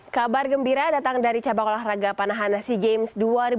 kabar gembira datang dari cabang olahraga panahan sea games dua ribu delapan belas